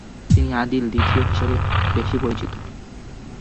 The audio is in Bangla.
তিনি আদিল দ্বিতীয় হিসাবে বেশি পরিচিত।